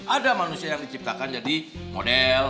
ada manusia yang diciptakan jadi model